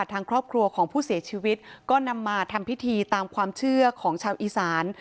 ทางครอบครัวของผู้เสียชีวิตก็นำมาทำพิธีตามความเชื่อของชาวอีสาน